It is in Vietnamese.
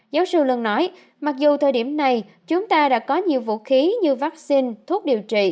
giáo sư luân nói mặc dù thời điểm này chúng ta đã có nhiều vũ khí như vaccine thuốc điều trị